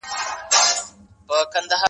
ګرګين ولي د ميرويس خان نيکه مېلمستیا ته ورغی؟